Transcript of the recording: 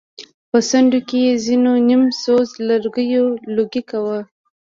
په څنډو کې يې ځېنو نيم سوزه لرګيو لوګی کوه.